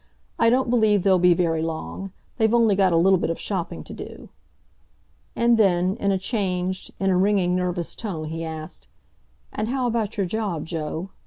"I don't believe they'll be very long. They've only got a little bit of shopping to do." And then, in a changed, in a ringing, nervous tone, he asked, "And how about your job, Joe?